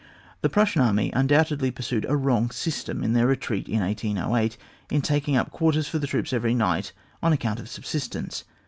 The Prussian army undoubtedly pursued a wrong sys tem in their retreat in 1806 in taking up quarters for the troops every night on account of subsistence.